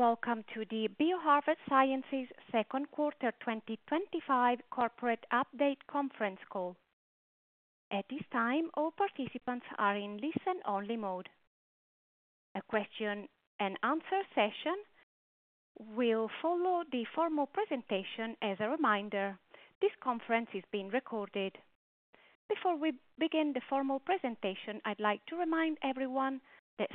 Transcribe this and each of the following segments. Greetings and welcome to the BioHarvest Sciences second quarter 2025 corporate update conference call. At this time, all participants are in listen-only mode. A question and answer session will follow the formal presentation. As a reminder, this conference is being recorded. Before we begin the formal presentation, I'd like to remind everyone that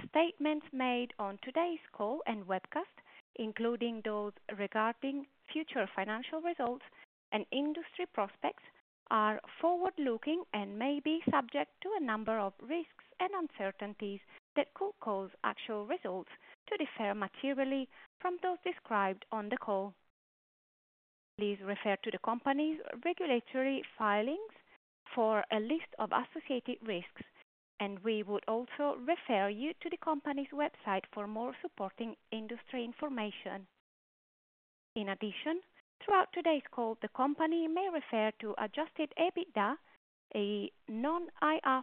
statements made on today's call and webcast, including those regarding future financial results and industry prospects, are forward-looking and may be subject to a number of risks and uncertainties that could cause actual results to differ materially from those described on the call. Please refer to the company's regulatory filings for a list of associated risks, and we would also refer you to the company's website for more supporting industry information. In addition, throughout today's call, the company may refer to adjusted EBITDA, a non-IFRS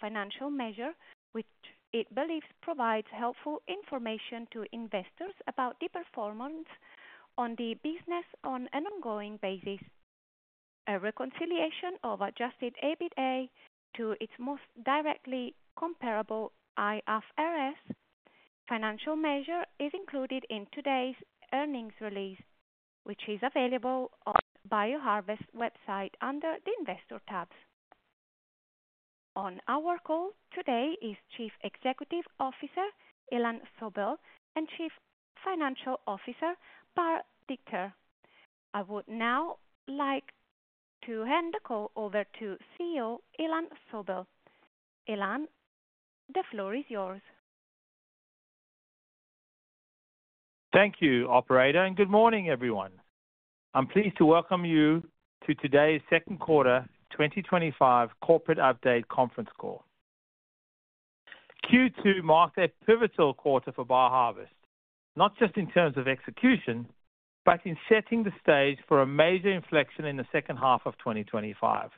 financial measure, which it believes provides helpful information to investors about the performance of the business on an ongoing basis. A reconciliation of adjusted EBITDA to its most directly comparable IFRS financial measure is included in today's earnings release, which is available on the BioHarvest website under the Investor tabs. On our call today is Chief Executive Officer Ilan Sobel and Chief Financial Officer Bar Dichter. I would now like to hand the call over to CEO Ilan Sobel. Ilan, the floor is yours. Thank you, operator, and good morning, everyone. I'm pleased to welcome you to today's second quarter 2025 corporate update conference call. Q2 marked a pivotal quarter for BioHarvest, not just in terms of execution, but in setting the stage for a major inflection in the second half of 2025.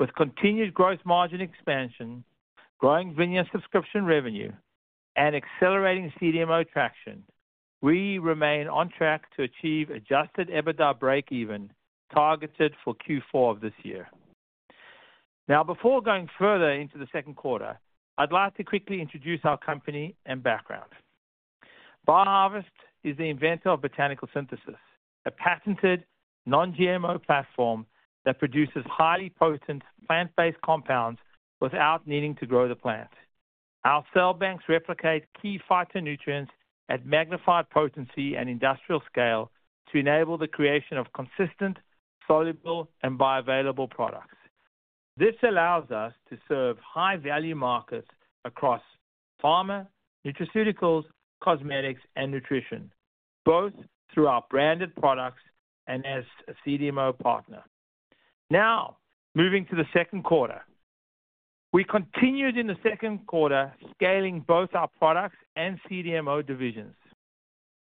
With continued gross margin expansion, growing VINIA subscription revenue, and accelerating CDMO traction, we remain on track to achieve adjusted EBITDA breakeven targeted for Q4 of this year. Now, before going further into the second quarter, I'd like to quickly introduce our company and background. BioHarvest Sciences Inc. is the inventor of Botanical Synthesis, a patented non-GMO platform that produces highly potent plant-based compounds without needing to grow the plant. Our cell banks replicate key phytonutrients at magnified potency and industrial scale to enable the creation of consistent, soluble, and bioavailable products. This allows us to serve high-value markets across pharma, nutraceuticals, cosmetics, and nutrition, both through our branded products and as a CDMO partner. Now, moving to the second quarter, we continued in the second quarter scaling both our products and CDMO divisions.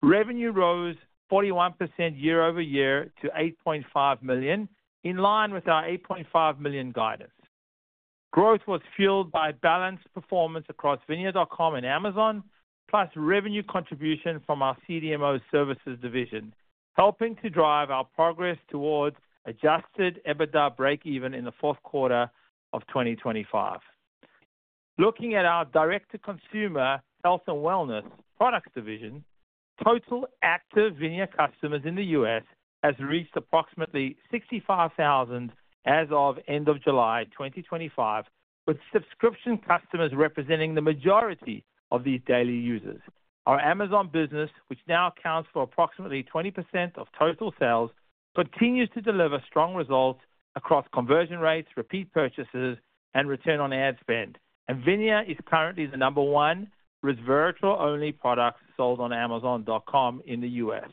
Revenue rose 41% year-over-year to $8.5 million, in line with our $8.5 million guidance. Growth was fueled by balanced performance across vinia.com and Amazon, plus revenue contribution from our CDMO services division, helping to drive our progress towards adjusted EBITDA breakeven in the fourth quarter of 2025. Looking at our direct-to-consumer health and wellness products division, total active VINIA customers in the U.S. have reached approximately 65,000 as of end of July 2025, with subscription customers representing the majority of these daily users. Our Amazon business, which now accounts for approximately 20% of total sales, continues to deliver strong results across conversion rates, repeat purchases, and return on ad spend. VINIA is currently the number one resveratrol-only product sold on amazon.com in the U.S.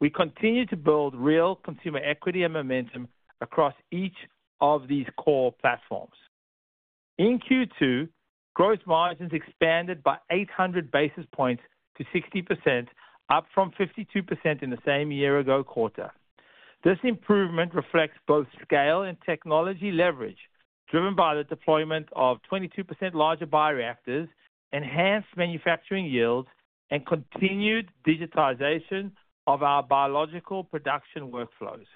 We continue to build real consumer equity and momentum across each of these core platforms. In Q2, gross margins expanded by 800 basis points to 60%, up from 52% in the same year-ago quarter. This improvement reflects both scale and technology leverage, driven by the deployment of 22% larger bioreactors, enhanced manufacturing yields, and continued digitization of our biological production workflows.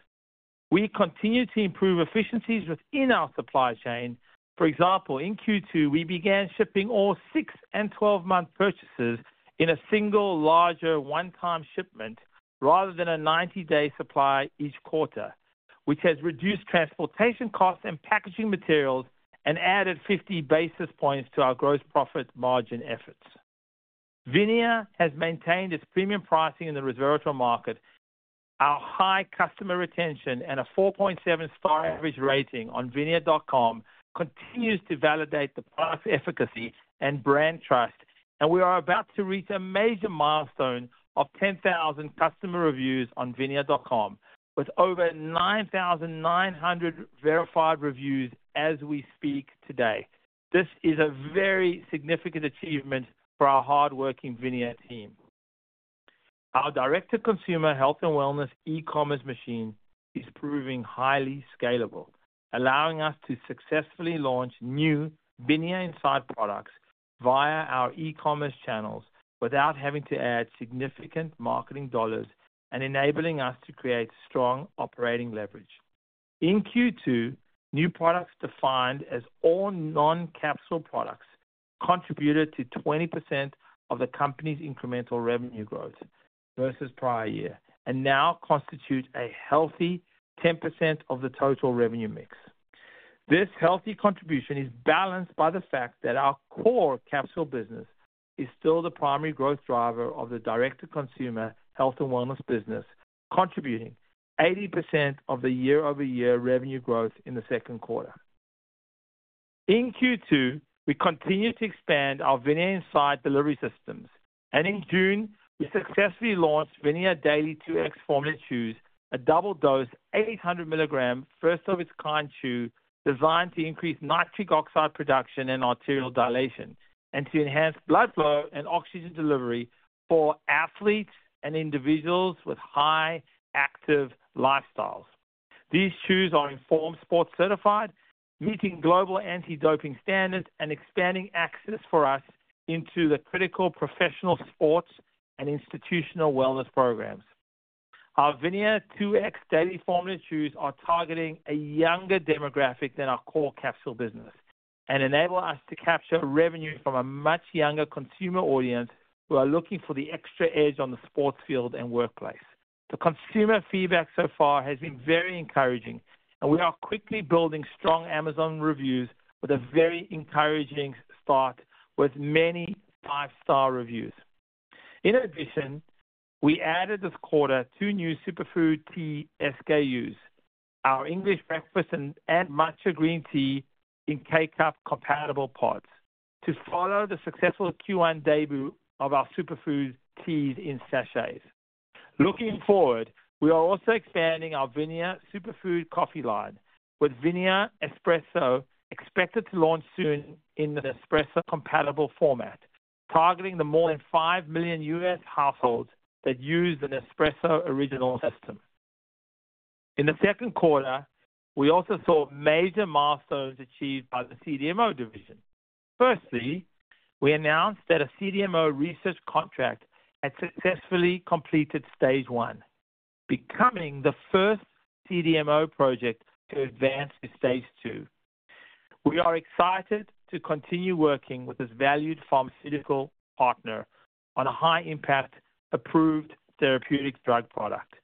We continue to improve efficiencies within our supply chain. For example, in Q2, we began shipping all six and 12-month purchases in a single larger one-time shipment rather than a 90-day supply each quarter, which has reduced transportation costs and packaging materials and added 50 basis points to our gross profit margin efforts. VINIA has maintained its premium pricing in the resveratrol market. Our high customer retention and a 4.7-star average rating on vinia.com continue to validate the product's efficacy and brand trust, and we are about to reach a major milestone of 10,000 customer reviews on vinia.com, with over 9,900 verified reviews as we speak today. This is a very significant achievement for our hardworking VINIA team. Our direct-to-consumer health and wellness e-commerce machine is proving highly scalable, allowing us to successfully launch new VINIA inside products via our e-commerce channels without having to add significant marketing dollars and enabling us to create strong operating leverage. In Q2, new products, defined as all non-capsule products, contributed to 20% of the company's incremental revenue growth versus prior year and now constitute a healthy 10% of the total revenue mix. This healthy contribution is balanced by the fact that our core capsule business is still the primary growth driver of the direct-to-consumer health and wellness business, contributing 80% of the year-over-year revenue growth in the second quarter. In Q2, we continue to expand our VINIA Inside delivery systems, and in June, we successfully launched VINIA Daily 2X Formula Chews, a double dose 800 mg first-of-its-kind chew designed to increase nitric oxide production and arterial dilation and to enhance blood flow and oxygen delivery for athletes and individuals with high active lifestyles. These chews are Informed Sport Certified, meeting global anti-doping standards and expanding access for us into the critical professional sports and institutional wellness programs. Our VINIA Daily 2X Formula Chews are targeting a younger demographic than our core capsule business and enable us to capture revenue from a much younger consumer audience who are looking for the extra edge on the sports field and workplace. The consumer feedback so far has been very encouraging, and we are quickly building strong Amazon reviews with a very encouraging start with many five-star reviews. In addition, we added this quarter two new SuperFood Tea SKUs, our English Breakfast and Matcha Green Tea in K-Cup compatible pods, to follow the successful Q1 debut of our SuperFood Teas in sachets. Looking forward, we are also expanding our VINIA Superfood coffee line with VINIA Espresso expected to launch soon in an espresso-compatible format, targeting the more than 5 million U.S. households that use the Nespresso original system. In the second quarter, we also saw major milestones achieved by the CDMO division. Firstly, we announced that a CDMO research contract had successfully completed Stage 1, becoming the first CDMO project to advance to Stage 2. We are excited to continue working with this valued pharmaceutical partner on a high-impact approved therapeutic drug product,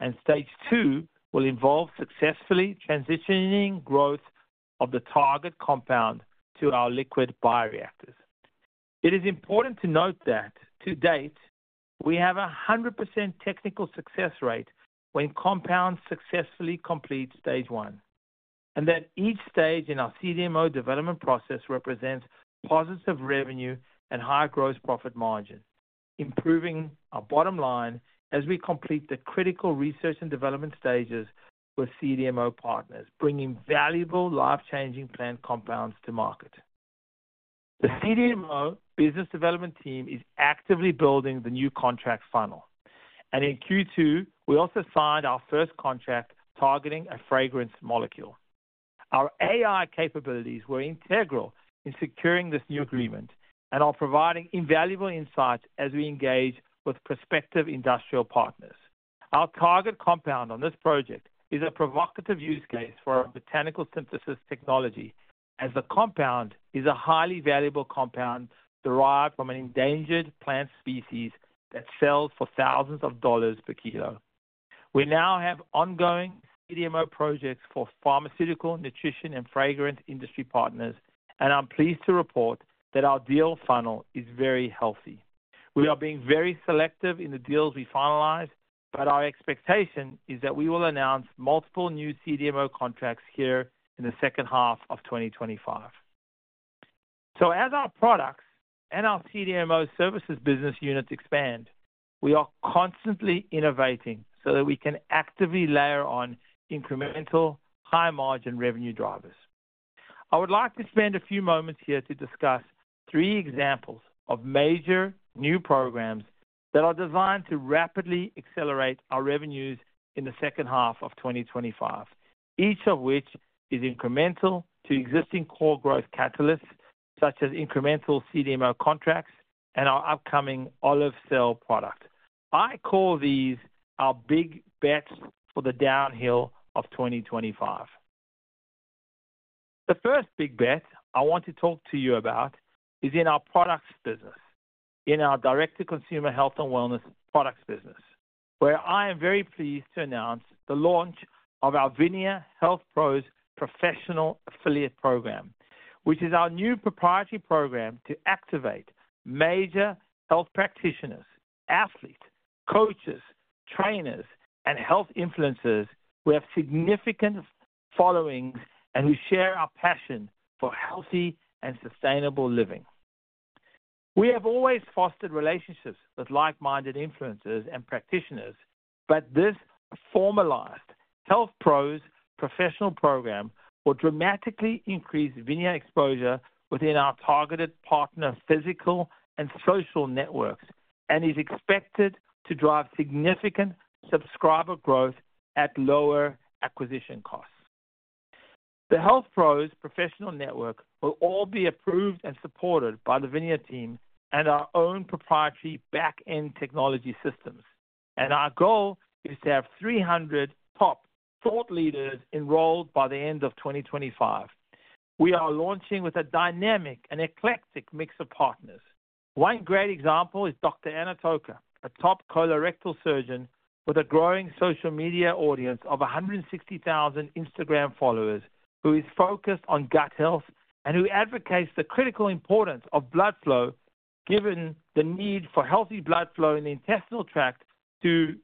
and Stage 2 will involve successfully transitioning growth of the target compound to our liquid bioreactors. It is important to note that to date, we have a 100% technical success rate when compounds successfully complete Stage 1, and that each stage in our CDMO development process represents positive revenue and high gross profit margin, improving our bottom line as we complete the critical research and development stages with CDMO partners, bringing valuable life-changing plant compounds to market. The CDMO business development team is actively building the new contract funnel, and in Q2, we also signed our first contract targeting a fragrance molecule. Our AI capabilities were integral in securing this new agreement and are providing invaluable insights as we engage with prospective industrial partners. Our target compound on this project is a provocative use case for our Botanical Synthesis technology, as the compound is a highly valuable compound derived from an endangered plant species that sells for thousands of dollars per kilo. We now have ongoing CDMO projects for pharmaceutical, nutrition, and fragrance industry partners, and I'm pleased to report that our deal funnel is very healthy. We are being very selective in the deals we finalize, but our expectation is that we will announce multiple new CDMO contracts here in the second half of 2025. As our products and our CDMO services business units expand, we are constantly innovating so that we can actively layer on incremental high margin revenue drivers. I would like to spend a few moments here to discuss three examples of major new programs that are designed to rapidly accelerate our revenues in the second half of 2025, each of which is incremental to existing core growth catalysts such as incremental CDMO contracts and our upcoming olive cell product. I call these our big bets for the downhill of 2025. The first big bet I want to talk to you about is in our products business, in our direct-to-consumer health and wellness products business, where I am very pleased to announce the launch of our VINIA Health Pros Professional Affiliate Program, which is our new proprietary program to activate major health practitioners, athletes, coaches, trainers, and health influencers who have significant followings and who share our passion for healthy and sustainable living. We have always fostered relationships with like-minded influencers and practitioners, but this formalized Health Pros Professional Program will dramatically increase VINIA exposure within our targeted partner physical and social networks and is expected to drive significant subscriber growth at lower acquisition costs. The Health Pros Professional Network will all be approved and supported by the VINIA team and our own proprietary backend technology systems, and our goal is to have 300 top thought leaders enrolled by the end of 2025. We are launching with a dynamic and eclectic mix of partners. One great example is Dr. Anna Toker, a top colorectal surgeon with a growing social media audience of 160,000 Instagram followers, who is focused on gut health and who advocates the critical importance of blood flow, given the need for healthy blood flow in the intestinal tract to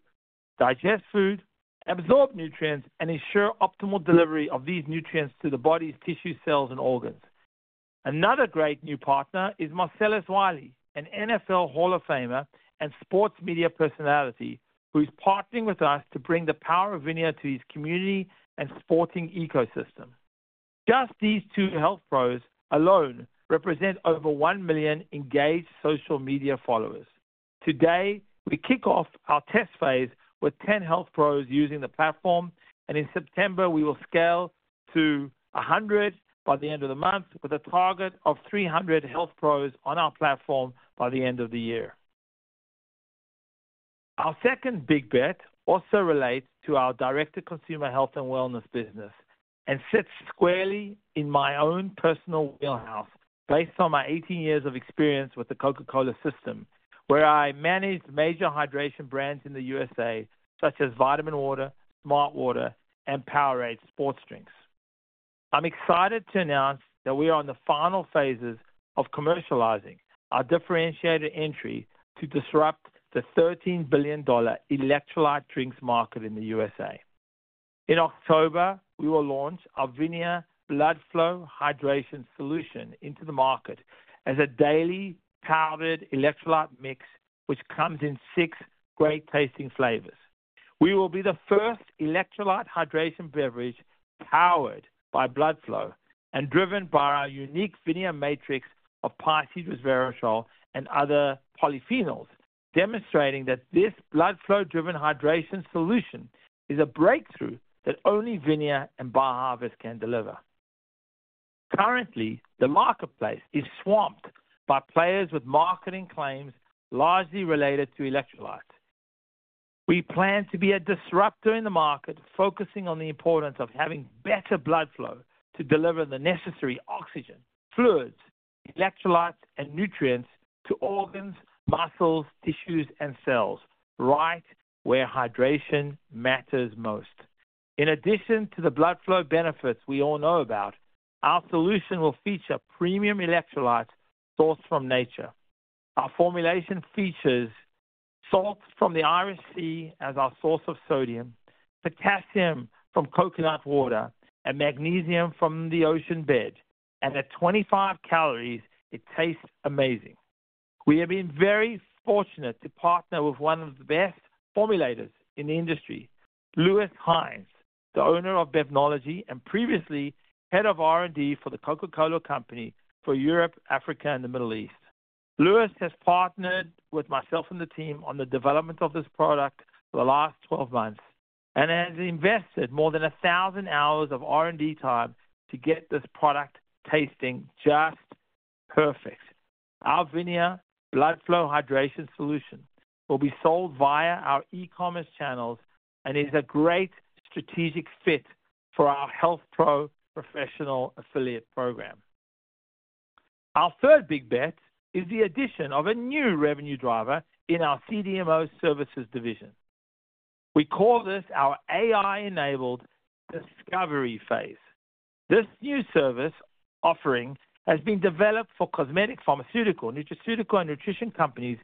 digest food, absorb nutrients, and ensure optimal delivery of these nutrients to the body's tissue cells and organs. Another great new partner is Marcellus Wiley, an NFL Hall of Famer and sports media personality, who is partnering with us to bring the power of VINIA to his community and sporting ecosystem. Just these two health pros alone represent over 1 million engaged social media followers. Today, we kick off our test phase with 10 health pros using the platform, and in September, we will scale to 100 by the end of the month, with a target of 300 health pros on our platform by the end of the year. Our second big bet also relates to our direct-to-consumer health and wellness business and sits squarely in my own personal wheelhouse, based on my 18 years of experience with the Coca-Cola system, where I managed major hydration brands in the U.S., such as vitaminwater, smartwater, and Powerade sports drinks. I'm excited to announce that we are in the final phases of commercializing our differentiated entry to disrupt the $13 billion electrolyte drinks market in the U.S.A. In October, we will launch our VINIA Blood Flow Hydration Solution into the market as a daily powdered-electrolyte mix which comes in six great-tasting flavors. We will be the first electrolyte hydration beverage powered by blood flow and driven by our unique VINIA matrix of Piceid Resveratrol, and other polyphenols, demonstrating that this blood flow-driven hydration solution is a breakthrough that only VINIA and BioHarvest can deliver. Currently, the marketplace is swamped by players with marketing claims largely related to electrolytes. We plan to be a disruptor in the market, focusing on the importance of having better blood flow to deliver the necessary oxygen, fluids, electrolytes, and nutrients to organs, muscles, tissues, and cells, right where hydration matters most. In addition to the blood flow benefits we all know about, our solution will feature premium electrolytes sourced from nature. Our formulation features salt from the Irish Sea as our source of sodium, potassium from coconut water, and magnesium from the ocean bed, and at 25 calories, it tastes amazing. We have been very fortunate to partner with one of the best formulators in the industry, Louis Heinsz, the owner of Bevnology and previously Head of R&D for the Coca-Cola Company for Europe, Africa, and the Middle East. Louis has partnered with myself and the team on the development of this product for the last 12 months and has invested more than 1,000 of R&D time to get this product tasting just perfect. Our VINIA Blood Flow Hydration Solution will be sold via our e-commerce channels and is a great strategic fit for our Health Pros Professional Affiliate Program. Our third big bet is the addition of a new revenue driver in our CDMO services division. We call this our AI-enabled discovery phase. This new service offering has been developed for cosmetic, pharmaceutical, nutraceutical, and nutrition companies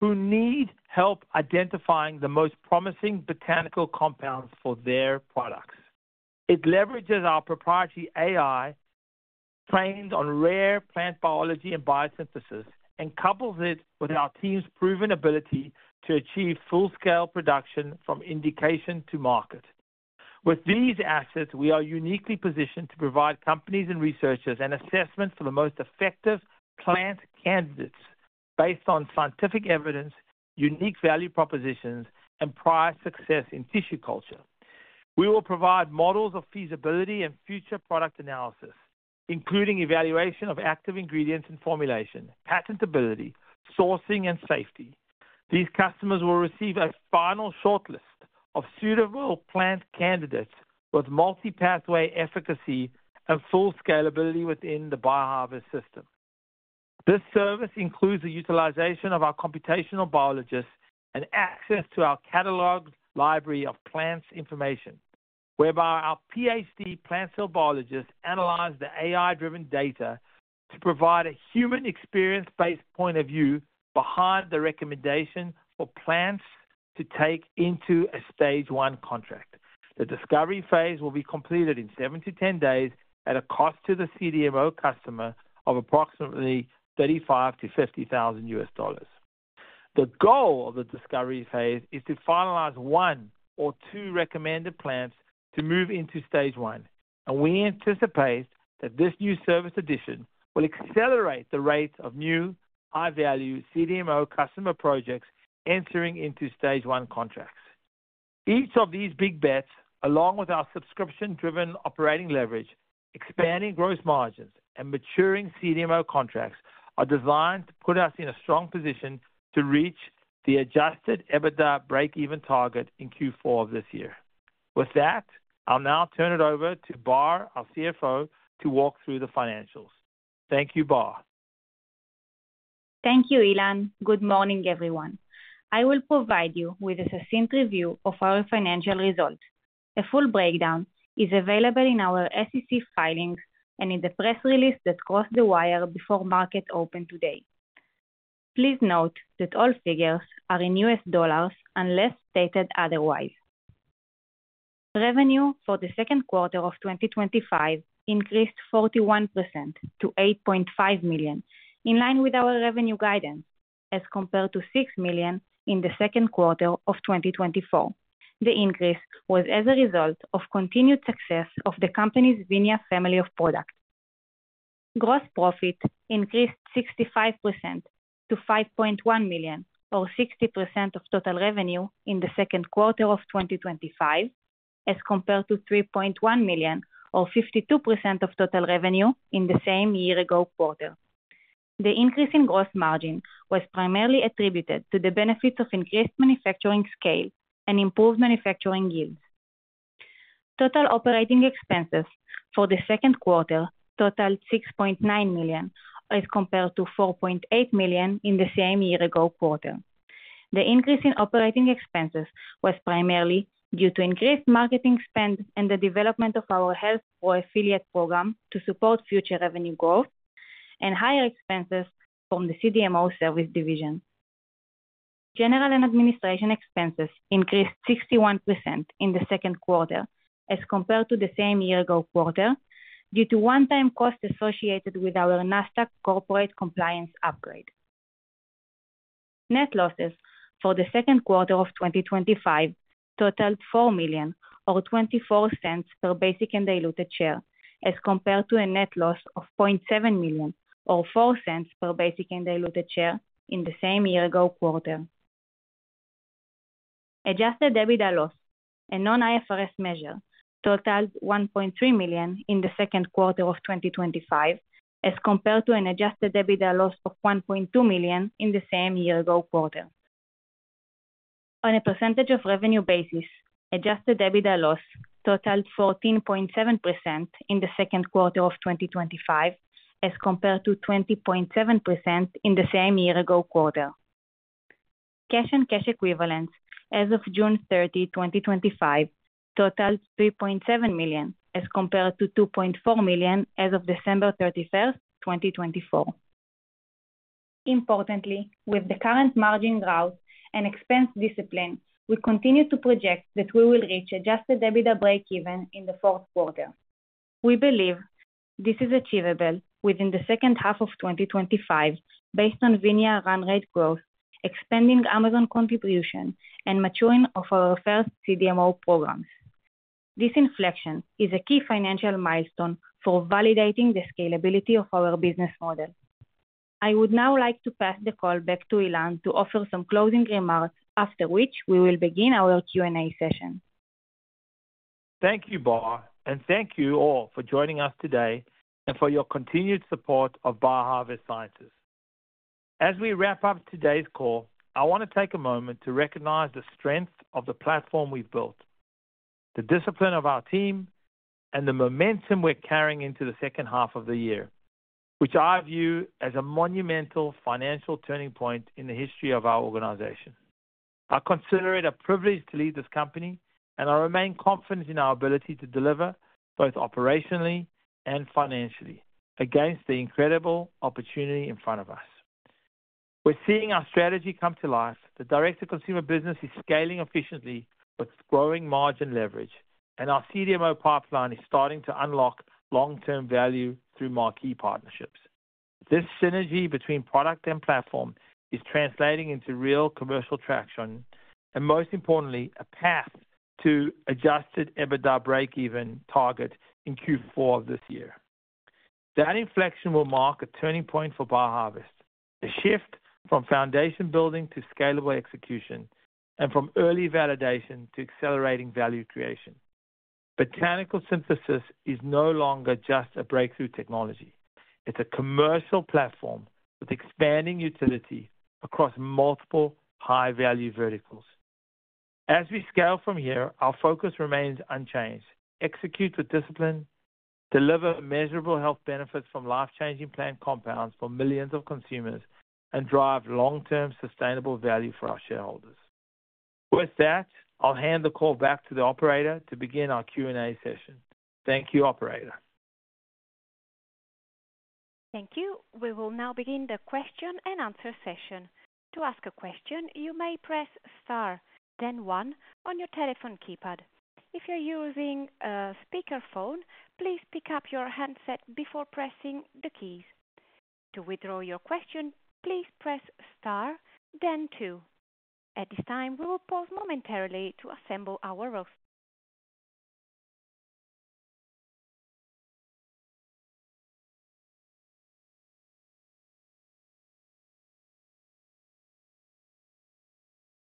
who need help identifying the most promising botanical compounds for their products. It leverages our proprietary AI trained on rare plant biology and biosynthesis and couples it with our team's proven ability to achieve full-scale production from indication to market. With these assets, we are uniquely positioned to provide companies and researchers an assessment for the most effective plant candidates based on scientific evidence, unique value propositions, and prior success in tissue culture. We will provide models of feasibility and future product analysis, including evaluation of active ingredients and formulation, patentability, sourcing, and safety. These customers will receive a final shortlist of suitable plant candidates with multi-pathway efficacy and full scalability within the BioHarvest system. This service includes the utilization of our computational biologists and access to our catalog library of plants information, whereby our PhD plant cell biologists analyze the AI-driven data to provide a human experience-based point of view behind the recommendation for plants to take into a stage one contract. The discovery phase will be completed in seven to 10 days at a cost to the CDMO customer of approximately $35,000-$50,000. The goal of the discovery phase is to finalize one or two recommended plants to move into Stage 1, and we anticipate that this new service addition will accelerate the rates of new high-value CDMO customer projects entering into Stage 1 contracts. Each of these big bets, along with our subscription-driven operating leverage, expanding gross margins, and maturing CDMO contracts, are designed to put us in a strong position to reach the adjusted EBITDA breakeven target in Q4 of this year. With that, I'll now turn it over to Bar, our CFO, to walk through the financials. Thank you, Bar. Thank you, Ilan. Good morning, everyone. I will provide you with a succinct review of our financial results. A full breakdown is available in our SEC filings and in the press release that crossed the wire before market open today. Please note that all figures are in U.S. dollars unless stated otherwise. Revenue for the second quarter of 2025 increased 41% to $8.5 million, in line with our revenue guidance, as compared to $6 million in the second quarter of 2024. The increase was as a result of continued success of the company's VINIA family of products. Gross profit increased 65% to $5.1 million, or 60% of total revenue in the second quarter of 2025, as compared to $3.1 million, or 52% of total revenue in the same year-ago quarter. The increase in gross margin was primarily attributed to the benefits of increased manufacturing scale and improved manufacturing yields. Total operating expenses for the second quarter totaled $6.9 million, as compared to $4.8 million in the same year-ago quarter. The increase in operating expenses was primarily due to increased marketing spend and the development of our Health Pros Affiliate Program to support future revenue growth and higher expenses from the CDMO service division. General and administration expenses increased 61% in the second quarter, as compared to the same year-ago quarter, due to one-time costs associated with our Nasdaq corporate compliance upgrade. Net losses for the second quarter of 2025 totaled $4 million, or $0.24 per basic and diluted share, as compared to a net loss of $0.7 million, or $0.04 per basic and diluted share in the same year-ago quarter. Adjusted EBITDA loss, a non-IFRS measure, totaled $1.3 million in the second quarter of 2025, as compared to an adjusted EBITDA loss of $1.2 million in the same year-ago quarter. On a percentage of revenue basis, adjusted EBITDA loss totaled 14.7% in the second quarter of 2025, as compared to 20.7% in the same year-ago quarter. Cash and cash equivalents, as of June 30, 2025, totaled $3.7 million, as compared to $2.4 million as of December 31st, 2024. Importantly, with the current margin growth and expense discipline, we continue to project that we will reach adjusted EBITDA breakeven in the fourth quarter. We believe this is achievable within the second half of 2025, based on VINIA run rate growth, expanding Amazon contribution, and maturing of our first CDMO programs. This inflection is a key financial milestone for validating the scalability of our business model. I would now like to pass the call back to Ilan to offer some closing remarks, after which we will begin our Q&A session. Thank you, Bar, and thank you all for joining us today and for your continued support of BioHarvest Sciences. As we wrap up today's call, I want to take a moment to recognize the strength of the platform we've built, the discipline of our team, and the momentum we're carrying into the second half of the year, which I view as a monumental financial turning point in the history of our organization. I consider it a privilege to lead this company, and I remain confident in our ability to deliver both operationally and financially against the incredible opportunity in front of us. We're seeing our strategy come to life. The direct-to-consumer business is scaling efficiently with growing margin leverage, and our CDMO pipeline is starting to unlock long-term value through marquee partnerships. This synergy between product and platform is translating into real commercial traction, and most importantly, a path to adjusted EBITDA breakeven target in Q4 of this year. That inflection will mark a turning point for BioHarvest: a shift from foundation building to scalable execution, and from early validation to accelerating value creation. Botanical Synthesis is no longer just a breakthrough technology. It's a commercial platform with expanding utility across multiple high-value verticals. As we scale from here, our focus remains unchanged: execute with discipline, deliver measurable health benefits from life-changing plant compounds for millions of consumers, and drive long-term sustainable value for our shareholders. With that, I'll hand the call back to the operator to begin our Q&A session. Thank you, operator. Thank you. We will now begin the question-and-answer session. To ask a question, you may press star, then one on your telephone keypad. If you're using a speaker phone, please pick up your headset before pressing the keys. To withdraw your question, please press star, then two. At this time, we will pause momentarily to assemble our rows.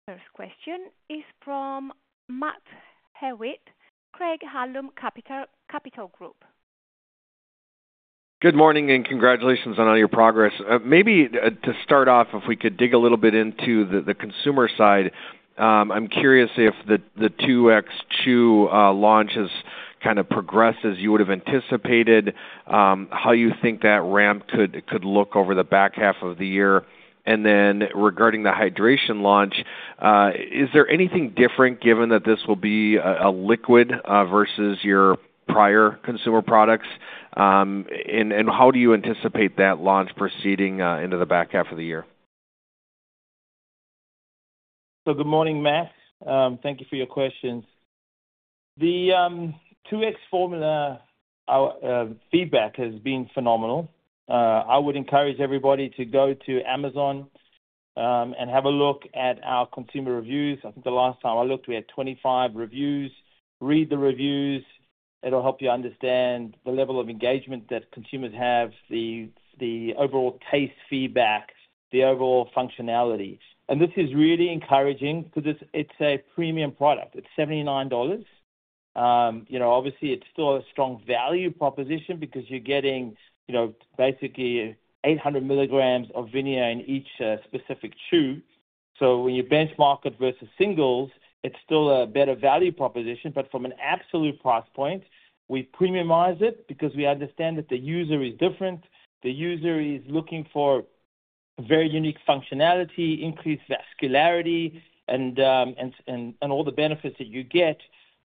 First question is from Matt Hewitt, Craig Hallum Capital Group. Good morning and congratulations on all your progress. Maybe to start off, if we could dig a little bit into the consumer side, I'm curious if the 2X chew launch has kind of progressed as you would have anticipated, how you think that ramp could look over the back half of the year. Regarding the hydration launch, is there anything different given that this will be a liquid versus your prior consumer products? How do you anticipate that launch proceeding into the back half of the year? Good morning, Matt. Thank you for your questions. The 2X Formula feedback has been phenomenal. I would encourage everybody to go to Amazon and have a look at our consumer reviews. I think the last time I looked, we had 25 reviews. Read the reviews. It'll help you understand the level of engagement that consumers have, the overall taste feedback, the overall functionality. This is really encouraging because it's a premium product. It's $79. It's still a strong value proposition because you're getting basically 800 mg of VINIA in each specific chew. When you benchmark it versus singles, it's still a better value proposition. From an absolute price point, we premiumize it because we understand that the user is different. The user is looking for very unique functionality, increased vascularity, and all the benefits that you get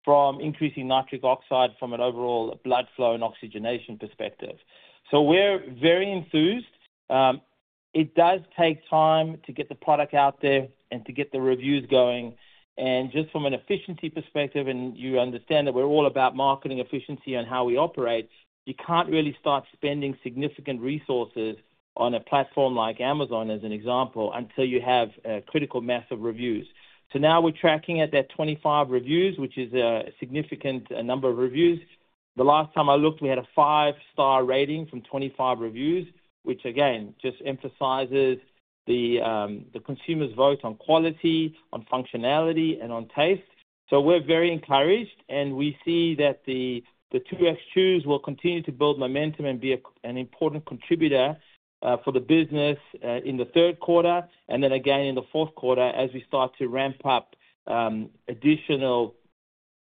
from increasing nitric oxide from an overall blood flow and oxygenation perspective. We're very enthused. It does take time to get the product out there and to get the reviews going. Just from an efficiency perspective, and you understand that we're all about marketing efficiency and how we operate, you can't really start spending significant resources on a platform like Amazon, as an example, until you have a critical mass of reviews. Now we're tracking at that 25 reviews, which is a significant number of reviews. The last time I looked, we had a five-star rating from 25 reviews, which again just emphasizes the consumer's vote on quality, on functionality, and on taste. We're very encouraged, and we see that the 2X chews will continue to build momentum and be an important contributor for the business in the third quarter, and then again in the fourth quarter as we start to ramp up additional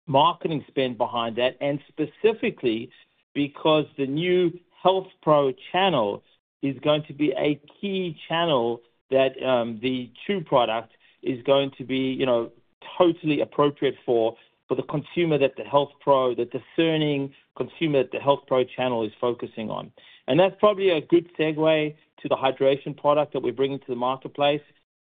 marketing spend behind that, and specifically because the new Health Pros channel is going to be a key channel that the chew product is going to be totally appropriate for the consumer that the health pro, the discerning consumer that the Health Pro channel is focusing on. That's probably a good segue to the hydration product that we're bringing to the marketplace.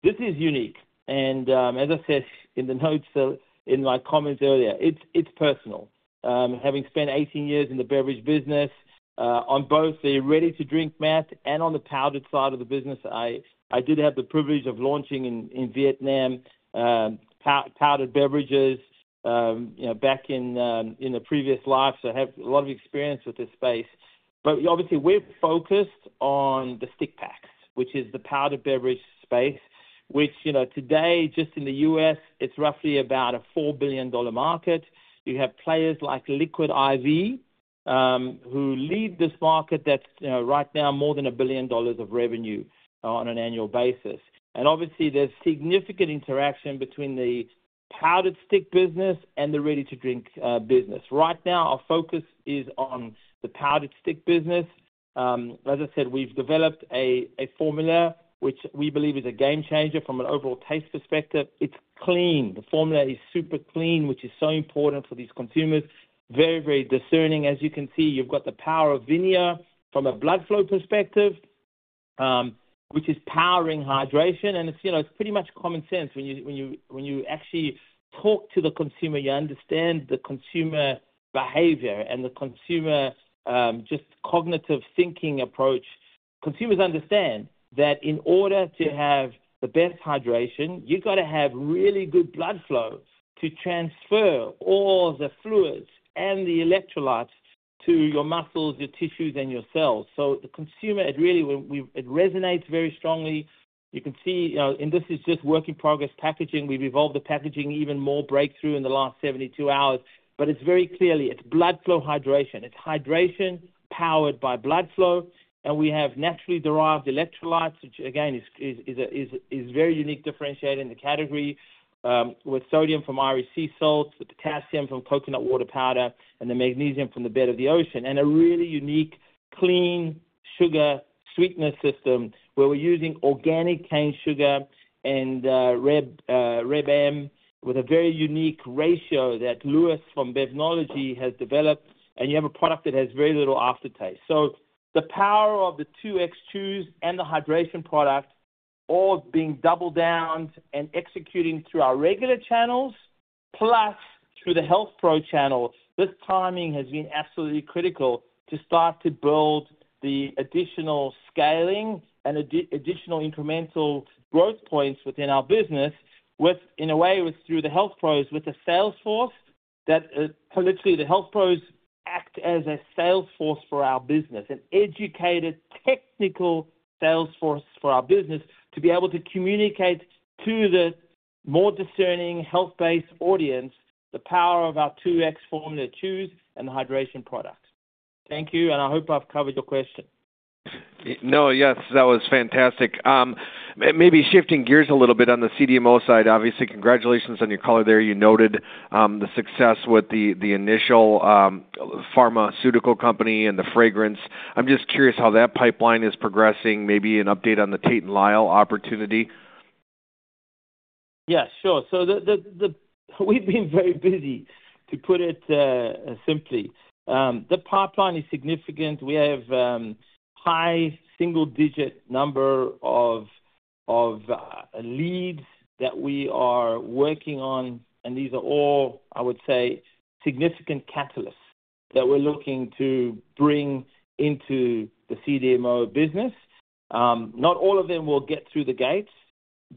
This is unique. As I said in the notes in my comments earlier, it's personal. Having spent 18 years in the beverage business, on both the ready-to-drink mat and on the powdered side of the business, I did have the privilege of launching in Vietnam powdered beverages back in a previous life. I have a lot of experience with this space. Obviously, we're focused on the stick packs, which is the powdered beverage space, which today just in the U.S., it's roughly about a $4 billion market. You have players like Liquid I.V., who lead this market that's right now more than $1 billion of revenue on an annual basis. There is significant interaction between the powdered stick business and the ready-to-drink business. Right now, our focus is on the powdered stick business. As I said, we've developed a formula which we believe is a game changer from an overall taste perspective. It's clean. The formula is super clean, which is so important for these consumers. Very, very discerning. As you can see, you've got the power of VINIA from a blood flow perspective, which is powering hydration. It's pretty much common sense. When you actually talk to the consumer, you understand the consumer behavior and the consumer just cognitive thinking approach. Consumers understand that in order to have the best hydration, you've got to have really good blood flow to transfer all the fluids and the electrolytes to your muscles, your tissues, and your cells. The consumer, it really, it resonates very strongly. You can see, and this is just work in progress packaging. We've evolved the packaging even more breakthrough in the last 72 hours. It's very clearly, it's blood flow hydration. It's hydration powered by blood flow. We have naturally derived electrolytes, which again is a very unique differentiator in the category, with sodium from Irish Sea salts, the potassium from coconut water powder, and the magnesium from the bed of the ocean, and a really unique clean sugar sweetness system where we're using organic cane sugar and Reb M with a very unique ratio that Louis from Bevnology has developed. You have a product that has very little aftertaste. The power of the 2X chews and the hydration product, all being doubled down and executing through our regular channels plus through the Health Pro channels, this timing has been absolutely critical to start to build the additional scaling and additional incremental growth points within our business. In a way, it was through the health pros with a sales force that literally the health pros act as a sales force for our business, an educated technical sales force for our business to be able to communicate to the more discerning health-based audience the power of our 2X formula chews and the hydration product. Thank you, and I hope I've covered your question. Yes, that was fantastic. Maybe shifting gears a little bit on the CDMO side, obviously, congratulations on your color there. You noted the success with the initial pharmaceutical company and the fragrance. I'm just curious how that pipeline is progressing, maybe an update on the Tate & Lyle opportunity. Yeah, sure. We've been very busy, to put it simply. The pipeline is significant. We have a high single-digit number of leads that we are working on, and these are all, I would say, significant catalysts that we're looking to bring into the CDMO business. Not all of them will get through the gate,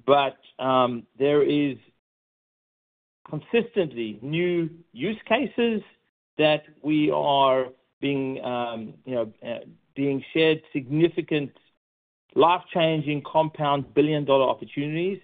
but there are consistently new use cases that we are being shared, significant life-changing compound billion-dollar opportunities.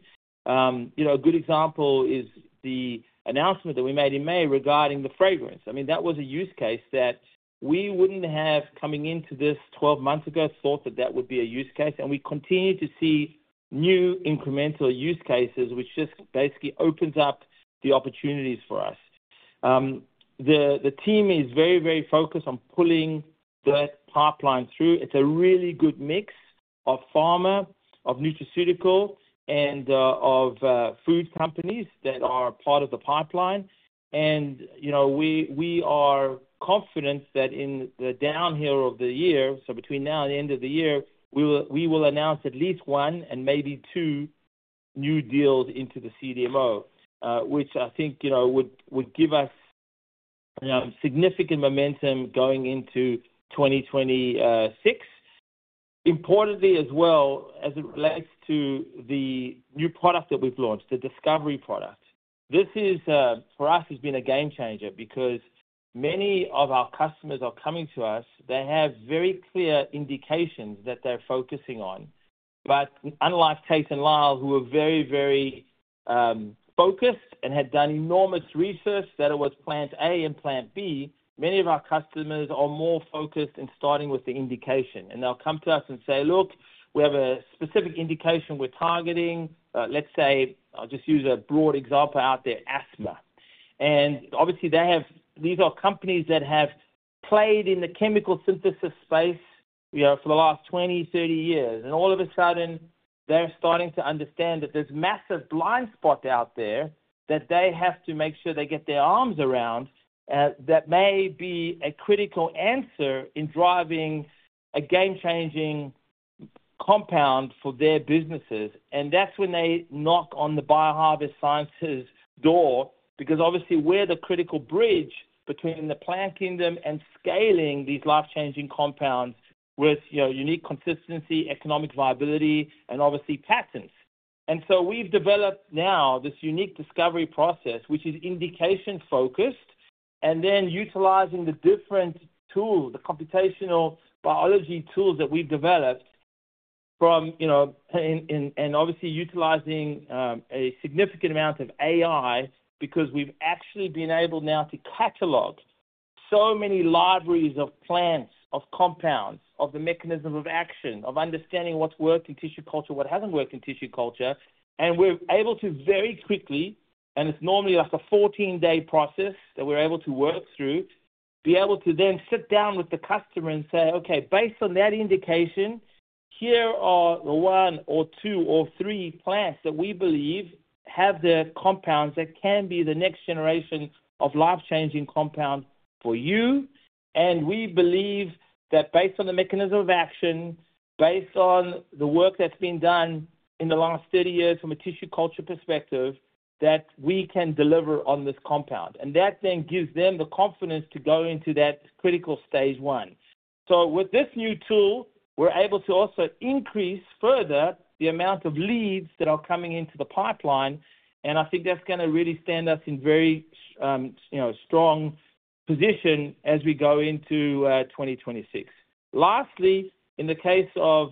A good example is the announcement that we made in May regarding the fragrance. That was a use case that we wouldn't have, coming into this 12 months ago, thought that that would be a use case. We continue to see new incremental use cases, which just basically opens up the opportunities for us. The team is very, very focused on pulling that pipeline through. It's a really good mix of pharma, of nutraceutical, and of food companies that are part of the pipeline. We are confident that in the downhill of the year, so between now and the end of the year, we will announce at least one and maybe two new deals into the CDMO, which I think would give us significant momentum going into 2026. Importantly, as well, as it relates to the new product that we've launched, the discovery product. This is, for us, has been a game changer because many of our customers are coming to us. They have very clear indications that they're focusing on. Unlike Tate & Lyle, who were very, very focused and had done enormous research that it was plant A and plant B, many of our customers are more focused and starting with the indication. They'll come to us and say, "Look, we have a specific indication we're targeting." Let's say, I'll just use a broad example out there, asthma. Obviously, these are companies that have played in the chemical synthesis space for the last 20, 30 years. All of a sudden, they're starting to understand that there's massive blind spots out there that they have to make sure they get their arms around that may be a critical answer in driving a game-changing compound for their businesses. That's when they knock on the BioHarvest Sciences door because obviously, we're the critical bridge between the plant kingdom and scaling these life-changing compounds with unique consistency, economic viability, and obviously patents. We have developed this unique discovery process, which is indication-focused, utilizing the different tools, the computational biology tools that we've developed, and obviously utilizing a significant amount of AI because we've actually been able now to catalog so many libraries of plants, of compounds, of the mechanism of action, of understanding what's worked in tissue culture, what hasn't worked in tissue culture. We're able to very quickly, and it's normally like a 14-day process that we're able to work through, be able to then sit down with the customer and say, "Okay, based on that indication, here are the one or two or three plants that we believe have the compounds that can be the next generation of life-changing compounds for you." We believe that based on the mechanism of action, based on the work that's been done in the last 30 years from a tissue culture perspective, we can deliver on this compound. That then gives them the confidence to go into that critical Stage 1. With this new tool, we're able to also increase further the amount of leads that are coming into the pipeline. I think that's going to really stand us in a very strong position as we go into 2026. Lastly, in the case of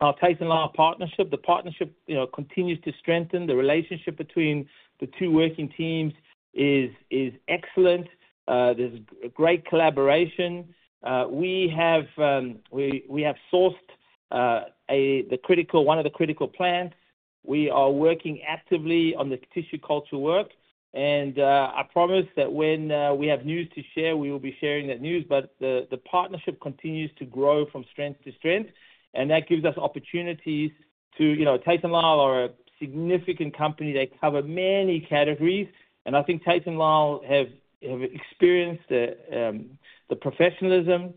our Tate & Lyle partnership, the partnership continues to strengthen. The relationship between the two working teams is excellent. There's a great collaboration. We have sourced one of the critical plants. We are working actively on the tissue culture work. I promise that when we have news to share, we will be sharing that news. The partnership continues to grow from strength to strength. That gives us opportunities because Tate & Lyle are a significant company. They cover many categories. I think Tate & Lyle have experienced the professionalism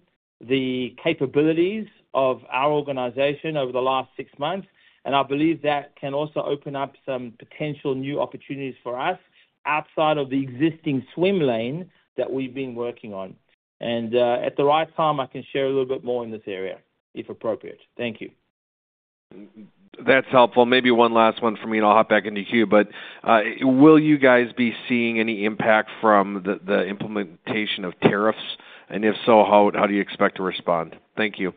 and capabilities of our organization over the last six months. I believe that can also open up some potential new opportunities for us outside of the existing swim lane that we've been working on. At the right time, I can share a little bit more in this area if appropriate. Thank you. That's helpful. Maybe one last one for me, and I'll hop back into Q. Will you guys be seeing any impact from the implementation of tariffs? If so, how do you expect to respond? Thank you.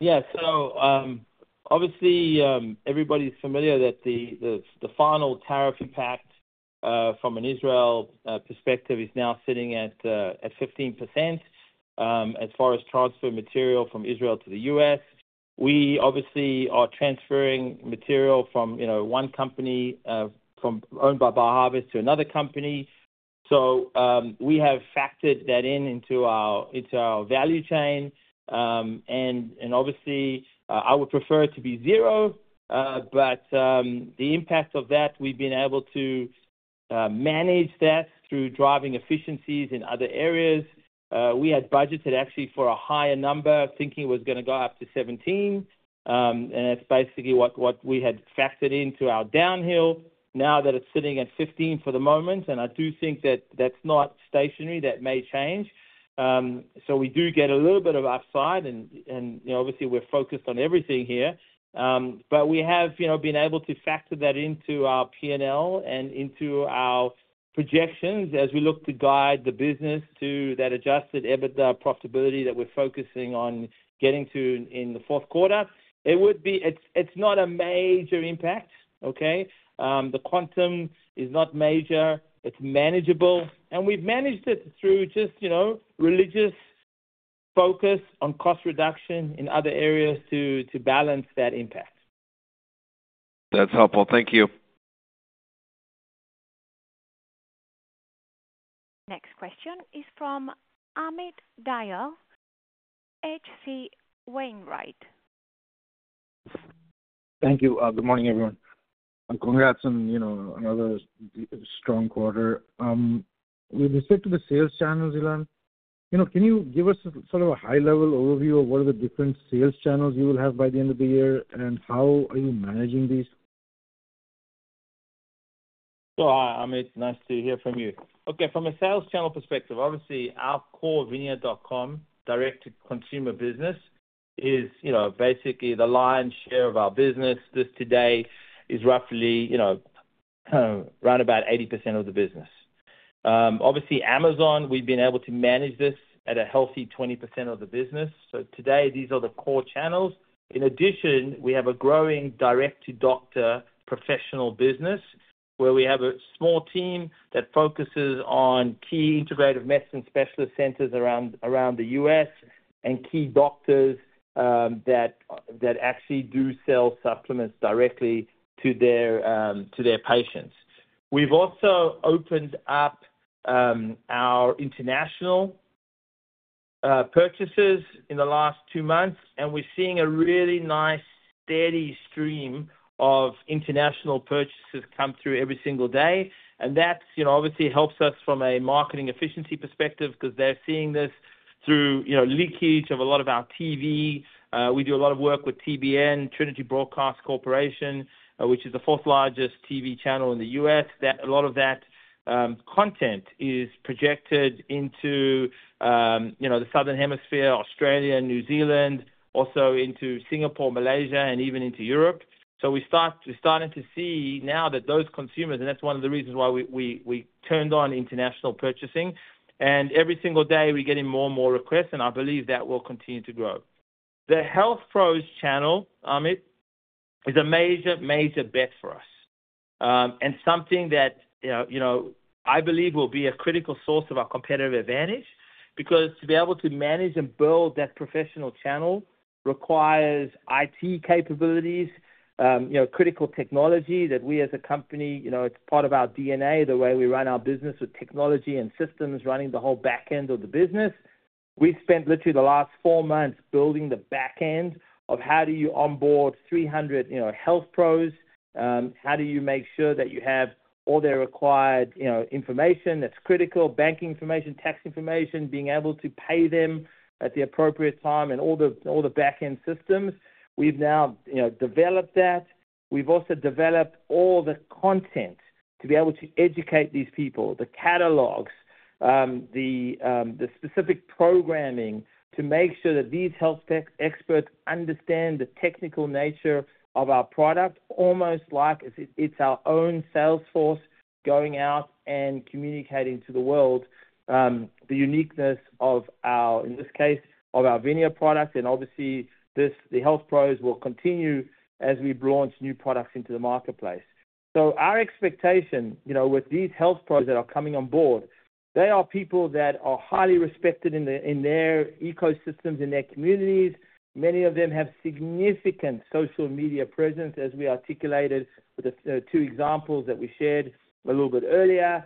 Yeah, so obviously, everybody's familiar that the final tariff impact from an Israel perspective is now sitting at 15% as far as transfer material from Israel to the U.S. We obviously are transferring material from, you know, one company owned by BioHarvest to another company. We have factored that in into our value chain. Obviously, I would prefer it to be zero. The impact of that, we've been able to manage that through driving efficiencies in other areas. We had budgeted actually for a higher number, thinking it was going to go up to 17%. That's basically what we had factored into our downhill. Now that it's sitting at 15% for the moment, I do think that that's not stationary, that may change. We do get a little bit of upside, and obviously, we're focused on everything here. We have, you know, been able to factor that into our P&L and into our projections as we look to guide the business to that adjusted EBITDA profitability that we're focusing on getting to in the fourth quarter. It's not a major impact. The quantum is not major. It's manageable. We've managed it through just, you know, religious focus on cost reduction in other areas to balance that impact. That's helpful. Thank you. Next question is from Amit Dayal, H.C. Wainwright. Thank you. Good morning, everyone. I'm calling out another strong quarter. With respect to the sales channels, Ilan, can you give us sort of a high-level overview of what are the different sales channels you will have by the end of the year, and how are you managing these? Amit, nice to hear from you. From a sales channel perspective, obviously, our core vinia.com direct-to-consumer business is basically the lion's share of our business. This today is roughly around about 80% of the business. Obviously, Amazon, we've been able to manage this at a healthy 20% of the business. Today, these are the core channels. In addition, we have a growing direct-to-doctor professional business where we have a small team that focuses on key integrative medicine specialist centers around the U.S. and key doctors that actually do sell supplements directly to their patients. We've also opened up our international purchases in the last two months, and we're seeing a really nice steady stream of international purchases come through every single day. That obviously helps us from a marketing efficiency perspective because they're seeing this through leakage of a lot of our TV. We do a lot of work with TBN, Trinity Broadcast Corporation, which is the fourth largest TV channel in the U.S. A lot of that content is projected into the Southern Hemisphere, Australia, New Zealand, also into Singapore, Malaysia, and even into Europe. We're starting to see now that those consumers, and that's one of the reasons why we turned on international purchasing. Every single day, we're getting more and more requests, and I believe that will continue to grow. The Health Pros channel, Amit, is a major, major bet for us and something that I believe will be a critical source of our competitive advantage because to be able to manage and build that professional channel requires IT capabilities, critical technology that we as a company, it's part of our DNA, the way we run our business with technology and systems running the whole backend of the business. We've spent literally the last four months building the backend of how do you onboard 300 health pros, how do you make sure that you have all their required information that's critical, bank information, tax information, being able to pay them at the appropriate time, and all the backend systems. We've now developed that. We've also developed all the content to be able to educate these people, the catalogs, the specific programming to make sure that these health tech experts understand the technical nature of our product, almost like it's our own sales force going out and communicating to the world the uniqueness of our, in this case, of our VINIA products. Obviously, the Health Pros will continue as we launch new products into the marketplace. Our expectation with these health pros that are coming on board is that they are people that are highly respected in their ecosystems, in their communities. Many of them have significant social media presence, as we articulated with the two examples that we shared a little bit earlier.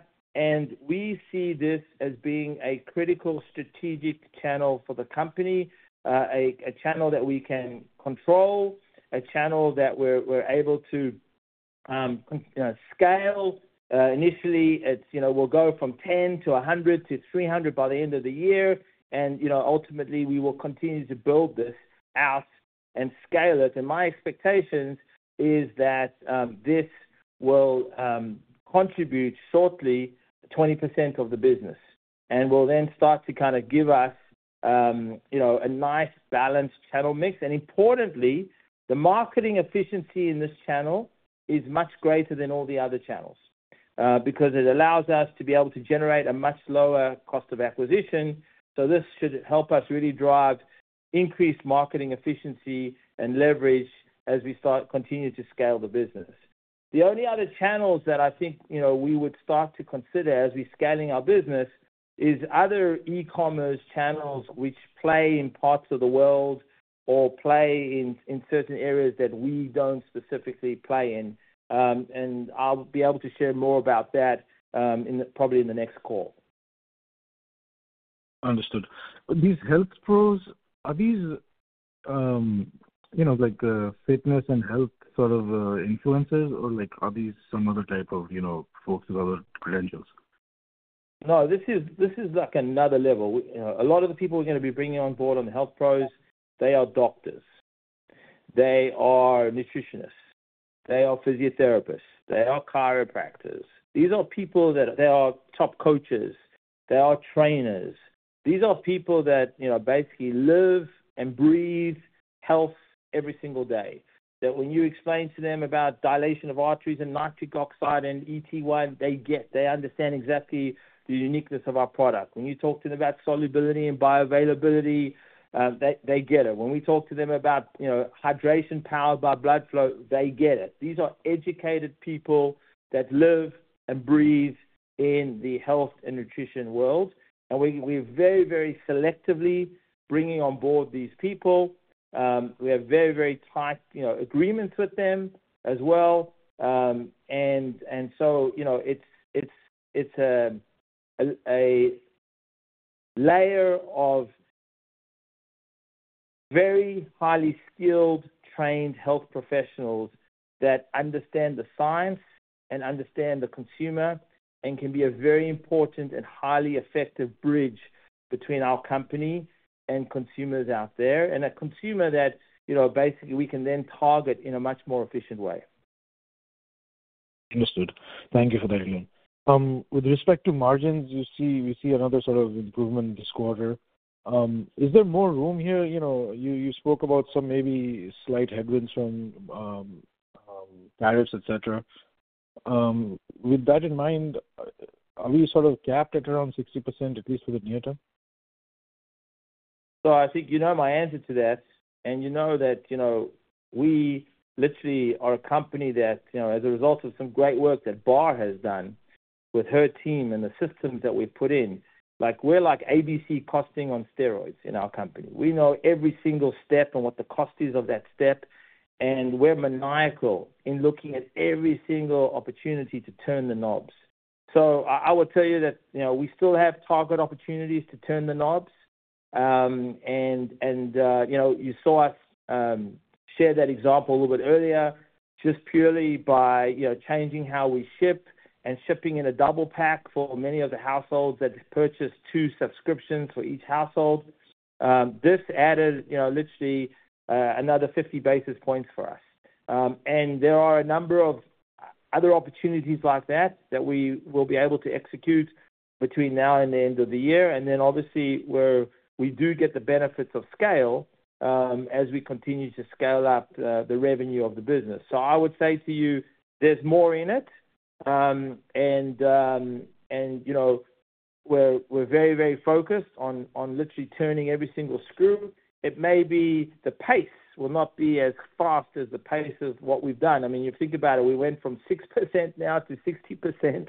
We see this as being a critical strategic channel for the company, a channel that we can control, a channel that we're able to scale. Initially, we'll go from 10 to 100 to 300 by the end of the year. Ultimately, we will continue to build this out and scale it. My expectation is that this will contribute shortly to 20% of the business and will then start to kind of give us a nice balanced channel mix. Importantly, the marketing efficiency in this channel is much greater than all the other channels because it allows us to be able to generate a much lower cost of acquisition. This should help us really drive increased marketing efficiency and leverage as we continue to scale the business. The only other channels that I think we would start to consider as we're scaling our business is other e-commerce channels which play in parts of the world or play in certain areas that we don't specifically play in. I'll be able to share more about that probably in the next call. Understood. Are these health pros, you know, like fitness and health sort of influencers, or are these some other type of folks with other credentials? No, this is like another level. A lot of the people we're going to be bringing on board on the health pros, they are doctors, nutritionists, physiotherapists, and chiropractors. These are people that are top coaches and trainers. These are people that, you know, basically live and breathe health every single day. When you explain to them about dilation of arteries and nitric oxide and ET1, they get it. They understand exactly the uniqueness of our product. When you talk to them about solubility and bioavailability, they get it. When we talk to them about, you know, hydration powered by blood flow, they get it. These are educated people that live and breathe in the health and nutrition world. We're very, very selectively bringing on board these people. We have very, very tight, you know, agreements with them as well. It's a layer of very highly skilled, trained health professionals that understand the science and understand the consumer and can be a very important and highly effective bridge between our company and consumers out there, and a consumer that, you know, basically we can then target in a much more efficient way. Understood. Thank you for that, Ilan. With respect to margins, we see another sort of improvement this quarter. Is there more room here? You know, you spoke about some maybe slight headwinds from tariffs, etc. With that in mind, are we sort of capped at around 60% at least for the near term? I think you know my answer to that. You know that we are a company that, as a result of some great work that Bar has done with her team and the systems that we put in, like we're like ABC costing on steroids in our company. We know every single step and what the cost is of that step. We're maniacal in looking at every single opportunity to turn the knobs. I would tell you that we still have target opportunities to turn the knobs. You saw us share that example a little bit earlier, just purely by changing how we ship and shipping in a double pack for many of the households that purchase two subscriptions for each household. This added literally another 50 basis points for us. There are a number of other opportunities like that that we will be able to execute between now and the end of the year. Obviously, we do get the benefits of scale as we continue to scale up the revenue of the business. I would say to you, there's more in it. We're very, very focused on literally turning every single screw. It may be the pace will not be as fast as the pace of what we've done. I mean, you think about it, we went from 6% now to 60%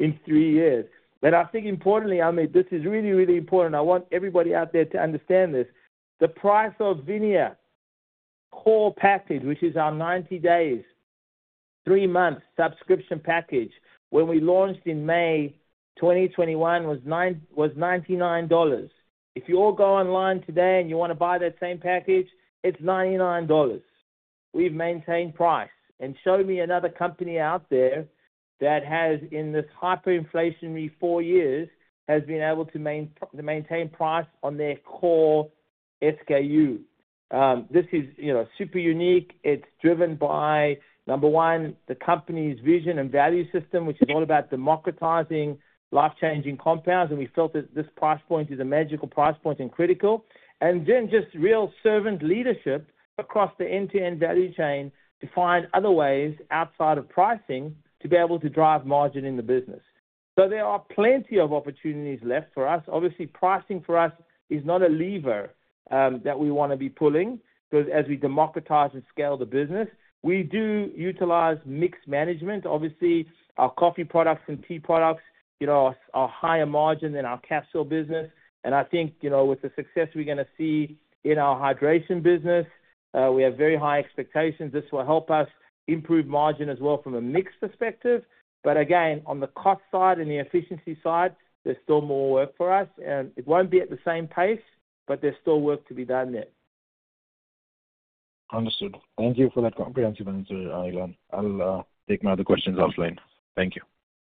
in three years. I think importantly, Amit, this is really, really important. I want everybody out there to understand this. The price of Vineyard Core Package, which is our 90 days, three months subscription package, when we launched in May 2021, was $99. If you all go online today and you want to buy that same package, it's $99. We've maintained price. Show me another company out there that has, in this hyperinflationary four years, been able to maintain price on their core SKU. This is super unique. It's driven by, number one, the company's vision and value system, which is all about democratizing life-changing compounds. We felt that this price point is a magical price point and critical. Then just real servant leadership across the end-to-end value chain to find other ways outside of pricing to be able to drive margin in the business. There are plenty of opportunities left for us. Obviously, pricing for us is not a lever that we want to be pulling because as we democratize and scale the business, we do utilize mixed management. Obviously, our coffee products and tea products are higher margin than our capsule business. I think, you know, with the success we're going to see in our hydration business, we have very high expectations. This will help us improve margin as well from a mixed perspective. Again, on the cost side and the efficiency side, there's still more work for us. It won't be at the same pace, but there's still work to be done there. Understood. Thank you for that comprehensive answer, Ilan. I'll take my other questions offline. Thank you.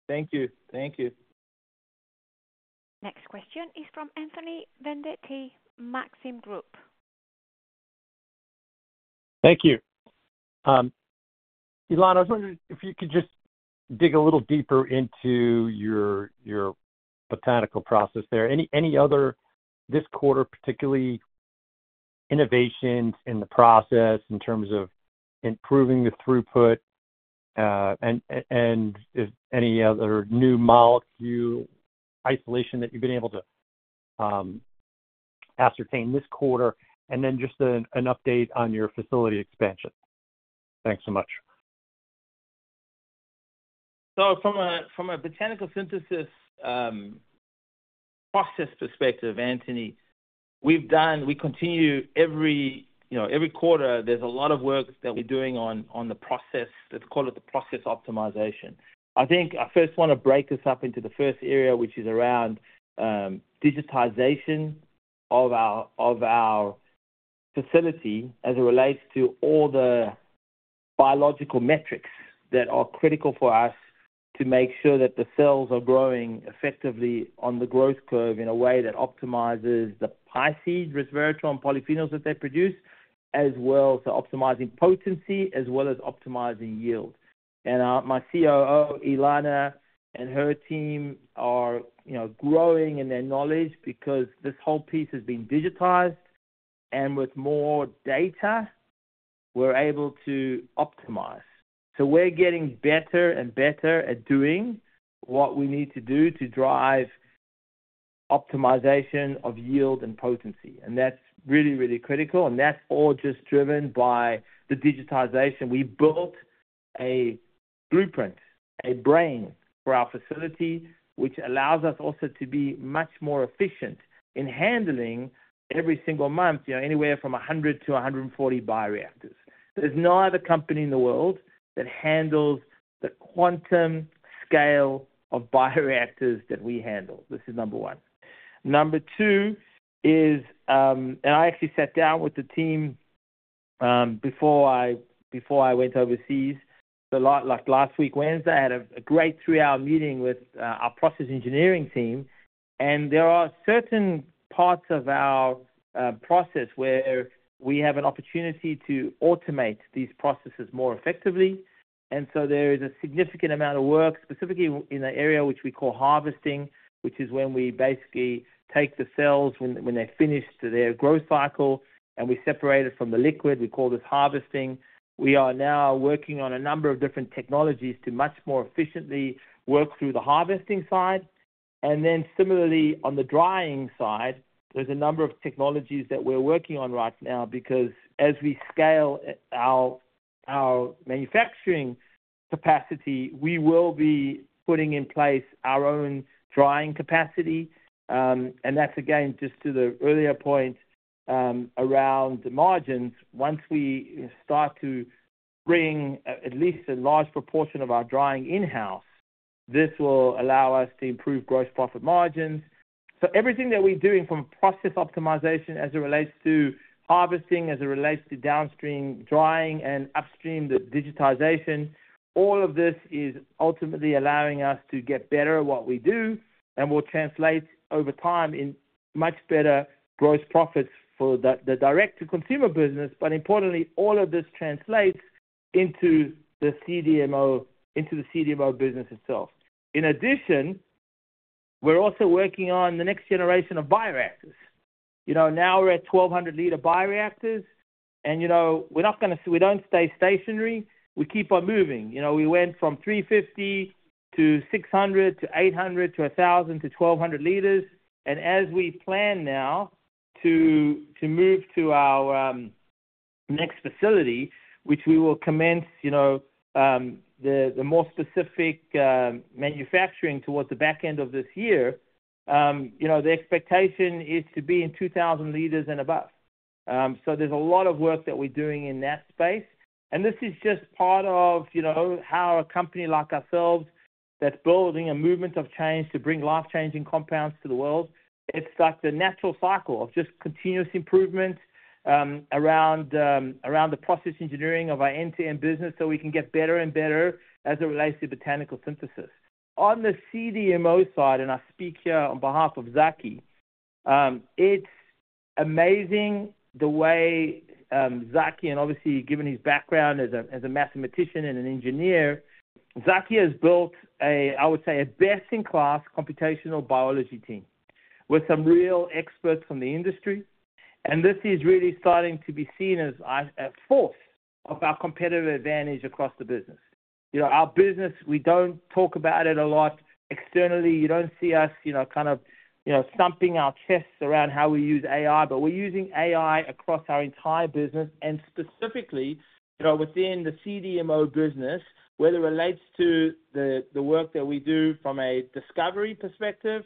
Thank you. Thank you. Next question is from Anthony Vendetti, Maxim Group. Thank you. Ilan, I was wondering if you could just dig a little deeper into your botanical process there. Any other this quarter, particularly innovations in the process in terms of improving the throughput and if any other new molecule isolation that you've been able to ascertain this quarter? Then just an update on your facility expansion. Thanks so much. From a Botanical Synthesis process perspective, Anthony, we've done, we continue every quarter, there's a lot of work that we're doing on the process. Let's call it the process optimization. I think I first want to break this up into the first area, which is around digitization of our facility as it relates to all the biological metrics that are critical for us to make sure that the cells are growing effectively on the growth curve in a way that optimizes the Piceid Resveratrol and polyphenols that they produce, as well as optimizing potency, as well as optimizing yield. My COO, Ilana, and her team are growing in their knowledge because this whole piece has been digitized. With more data, we're able to optimize. We're getting better and better at doing what we need to do to drive optimization of yield and potency. That's really, really critical. That's all just driven by the digitization. We built a blueprint, a brain for our facility, which allows us also to be much more efficient in handling every single month, anywhere from 100-140 bioreactors. There's no other company in the world that handles the quantum scale of bioreactors that we handle. This is number one. Number two is, I actually sat down with the team before I went overseas. Last week, Wednesday, I had a great three-hour meeting with our process engineering team. There are certain parts of our process where we have an opportunity to automate these processes more effectively. There is a significant amount of work, specifically in the area which we call harvesting, which is when we basically take the cells when they've finished their growth cycle, and we separate it from the liquid. We call this harvesting. We are now working on a number of different technologies to much more efficiently work through the harvesting side. Similarly, on the drying side, there's a number of technologies that we're working on right now because as we scale our manufacturing capacity, we will be putting in place our own drying capacity. That's, again, just to the earlier point around the margins. Once we start to bring at least a large proportion of our drying in-house, this will allow us to improve gross profit margins. Everything that we're doing from process optimization as it relates to harvesting, as it relates to downstream drying and upstream digitization, all of this is ultimately allowing us to get better at what we do, and will translate over time in much better gross profits for the direct-to-consumer business. Importantly, all of this translates into the CDMO business itself. In addition, we're also working on the next generation of bioreactors. Now we're at 1,200-liter bioreactors. We're not going to stay stationary. We keep on moving. We went from 350 to 600 to 800 to 1,000 to 1,200 L. As we plan now to move to our next facility, which we will commence the more specific manufacturing towards the back end of this year, the expectation is to be in 2,000 L and above. There's a lot of work that we're doing in that space. This is just part of how a company like ourselves that's building a movement of change to bring life-changing compounds to the world operates. It's like the natural cycle of just continuous improvement around the process engineering of our end-to-end business so we can get better and better as it relates to Botanical Synthesis. On the CDMO side, and I speak here on behalf of Zaki, it's amazing the way Zaki, and obviously given his background as a mathematician and an engineer, Zaki has built, I would say, a best-in-class computational biology team with some real experts from the industry. This is really starting to be seen as a force of our competitive advantage across the business. Our business, we don't talk about it a lot externally. You don't see us thumping our chests around how we use AI, but we're using AI across our entire business and specifically within the CDMO business, whether it relates to the work that we do from a discovery perspective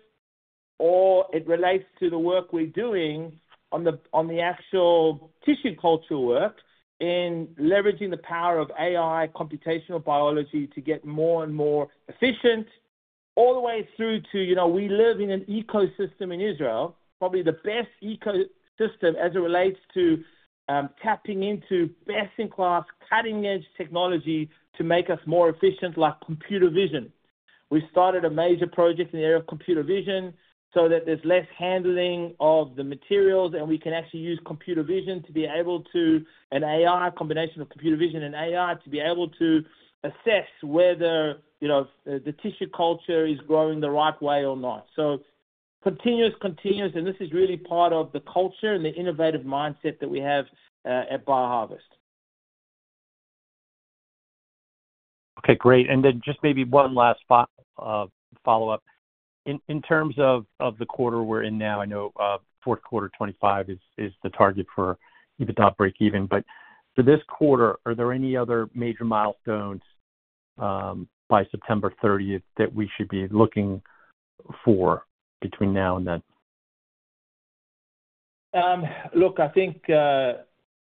or it relates to the work we're doing on the actual tissue culture work in leveraging the power of AI computational biology to get more and more efficient all the way through to, we live in an ecosystem in Israel, probably the best ecosystem as it relates to tapping into best-in-class cutting-edge technology to make us more efficient, like computer vision. We started a major project in the area of computer vision so that there's less handling of the materials, and we can actually use computer vision, an AI combination of computer vision and AI, to be able to assess whether the tissue culture is growing the right way or not. This is really part of the culture and the innovative mindset that we have at BioHarvest. Okay, great. Maybe one last follow-up. In terms of the quarter we're in now, I know fourth quarter 2025 is the target for EBITDA breakeven. For this quarter, are there any other major milestones by September 30th that we should be looking for between now and then? Look, I think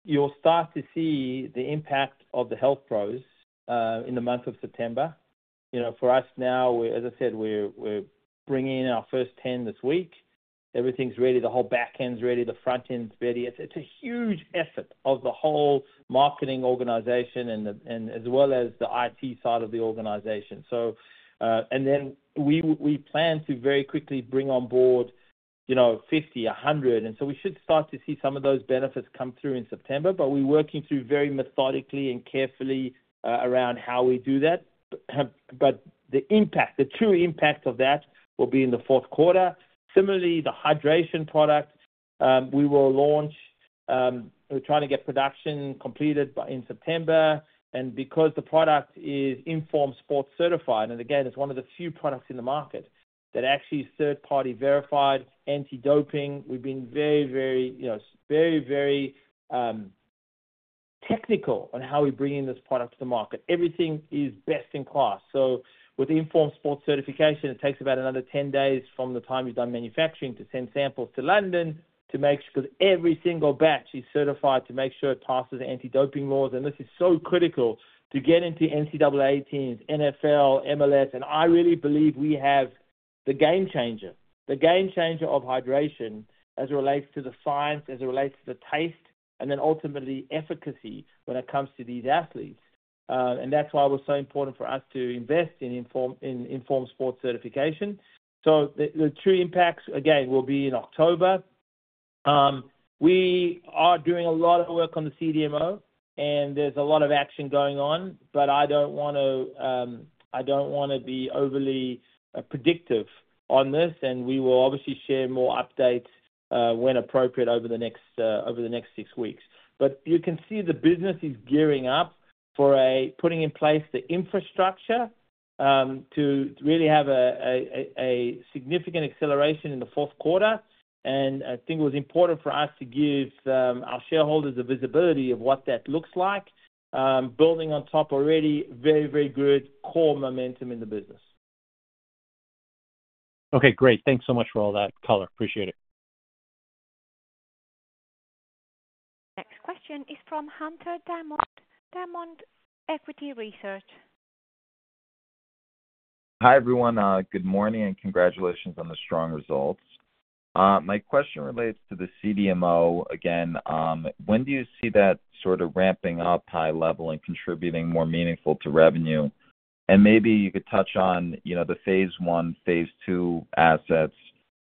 you'll start to see the impact of the health pros in the month of September. For us now, as I said, we're bringing in our first 10 this week. Everything's ready. The whole backend's ready. The frontend's ready. It's a huge effort of the whole marketing organization as well as the IT side of the organization. We plan to very quickly bring on board, you know, 50, 100 health pros. We should start to see some of those benefits come through in September. We're working through very methodically and carefully around how we do that. The impact, the true impact of that will be in the fourth quarter. Similarly, the hydration product, we will launch, we're trying to get production completed in September. The product is Informed Sports Certified, and again, it's one of the few products in the market that actually is third-party verified, anti-doping. We've been very, very technical on how we bring in this product to the market. Everything is best-in-class. With Informed Sports Certification, it takes about another 10 days from the time you've done manufacturing to send samples to London to make sure because every single batch is certified to make sure it passes anti-doping laws. This is so critical to get into NCAA teams, NFL, MLS. I really believe we have the game changer, the game changer of hydration as it relates to the science, as it relates to the taste, and ultimately efficacy when it comes to these athletes. That's why it was so important for us to invest in Informed Sports Certification. The true impacts, again, will be in October. We are doing a lot of work on the CDMO, and there's a lot of action going on. I don't want to be overly predictive on this. We will obviously share more updates when appropriate over the next six weeks. You can see the business is gearing up for putting in place the infrastructure to really have a significant acceleration in the fourth quarter. I think it was important for us to give our shareholders the visibility of what that looks like, building on top of already very, very good core momentum in the business. Okay, great. Thanks so much for all that color. Appreciate it. Next question is from Hunter Diamond, Diamond Equity Research. Hi everyone. Good morning and congratulations on the strong results. My question relates to the CDMO. When do you see that sort of ramping up high level and contributing more meaningful to revenue? Maybe you could touch on the phase I, phase II assets,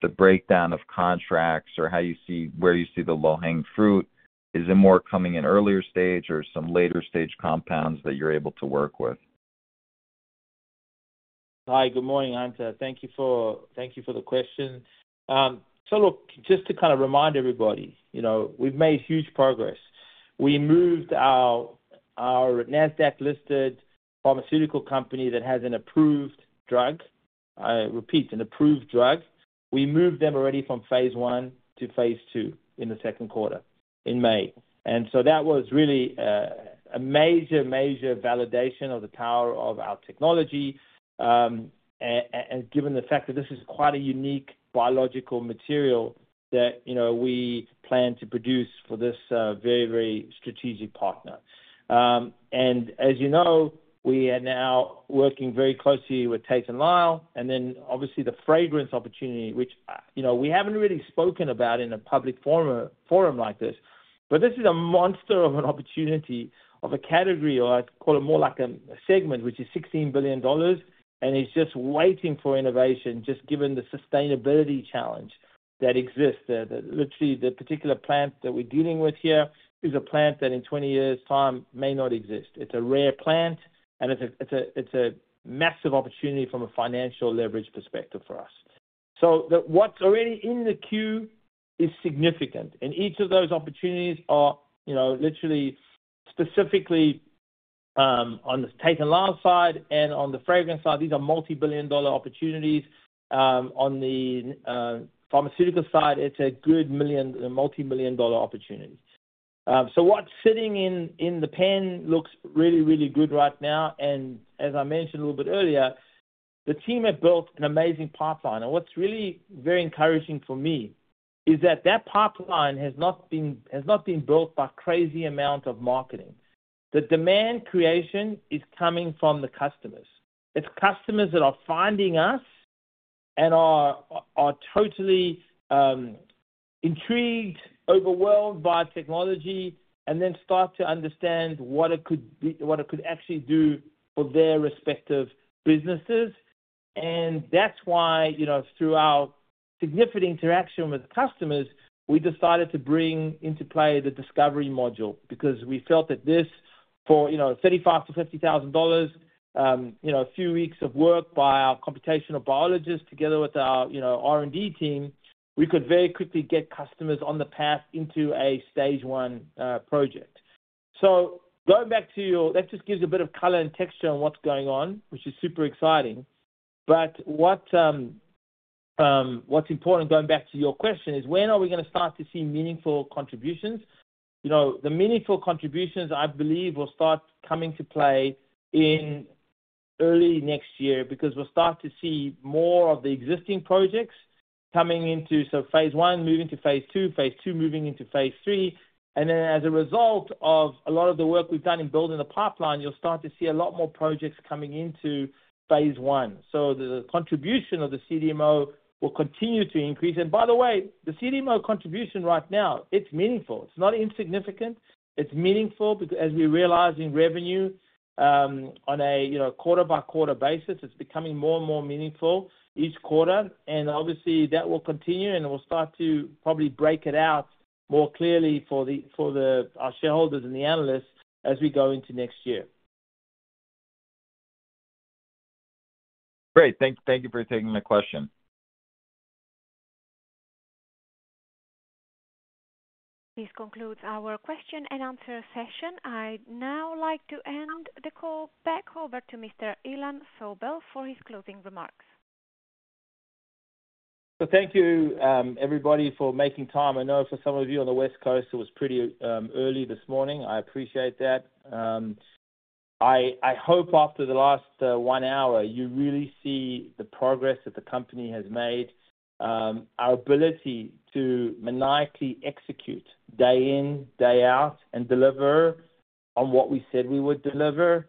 the breakdown of contracts, or how you see, where do you see the low-hanging fruit? Is it more coming in earlier stage or some later stage compounds that you're able to work with? Hi, good morning, Hunter. Thank you for, thank you for the question. Just to kind of remind everybody, you know, we've made huge progress. We moved our Nasdaq-listed pharmaceutical company that has an approved drug, I repeat, an approved drug. We moved them already from phase I to phase II in the second quarter in May. That was really a major, major validation of the power of our technology. Given the fact that this is quite a unique biological material that, you know, we plan to produce for this very, very strategic partner. As you know, we are now working very closely with Tate & Lyle. Obviously, the fragrance opportunity, which, you know, we haven't really spoken about in a public forum like this, is a monster of an opportunity of a category, or I'd call it more like a segment, which is $16 billion, and it's just waiting for innovation, just given the sustainability challenge that exists there. Literally, the particular plant that we're dealing with here is a plant that in 20 years' time may not exist. It's a rare plant, and it's a massive opportunity from a financial leverage perspective for us. What's already in the queue is significant. Each of those opportunities are, you know, literally specifically on the Tate & Lyle side and on the fragrance side. These are multi-billion dollar opportunities. On the pharmaceutical side, it's a good million, multi-million dollar opportunity. What's sitting in the pen looks really, really good right now. As I mentioned a little bit earlier, the team has built an amazing pipeline. What's really very encouraging for me is that that pipeline has not been built by a crazy amount of marketing. The demand creation is coming from the customers. It's customers that are finding us and are totally intrigued, overwhelmed by technology, and then start to understand what it could actually do for their respective businesses. That's why, throughout significant interaction with customers, we decided to bring into play the discovery module because we felt that this, for, you know, $35,000-$50,000, a few weeks of work by our computational biologists together with our, you know, R&D team, we could very quickly get customers on the path into a Stage 1 project. Going back to your, that just gives a bit of color and texture on what's going on, which is super exciting. What's important, going back to your question, is when are we going to start to see meaningful contributions? The meaningful contributions, I believe, will start coming to play in early next year because we'll start to see more of the existing projects coming into, so phase one moving to phase II, phase II moving into phase III. As a result of a lot of the work we've done in building the pipeline, you'll start to see a lot more projects coming into phase I. The contribution of the CDMO will continue to increase. By the way, the CDMO contribution right now, it's meaningful. It's not insignificant. It's meaningful because as we realize in revenue on a quarter-by-quarter basis, it's becoming more and more meaningful each quarter. Obviously, that will continue, and we'll start to probably break it out more clearly for our shareholders and the analysts as we go into next year. Great. Thank you for taking the question. This concludes our question and answer session. I'd now like to hand the call back over to Mr. Ilan Sobel for his closing remarks. Thank you, everybody, for making time. I know for some of you on the West Coast, it was pretty early this morning. I appreciate that. I hope after the last one hour, you really see the progress that the company has made, our ability to maniacally execute day in, day out, and deliver on what we said we would deliver.